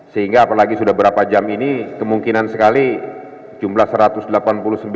sehingga apalagi sudah berapa jam ini kemungkinan sekali jumlah satu ratus delapan puluh sembilan itu sudah dalam keadaan meninggal dunia semua